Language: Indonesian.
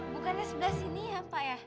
bukannya sebelah sini ya pak ya